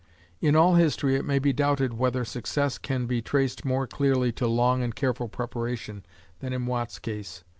In all history it may be doubted whether success can be traced more clearly to long and careful preparation than in Watt's case.